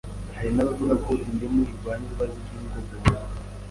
Hari n’abavuga ko indimu irwanya ibibazo by’igogora